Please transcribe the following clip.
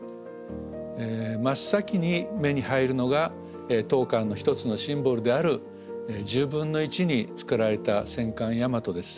真っ先に目に入るのが当館の一つのシンボルである１０分の１に造られた戦艦大和です。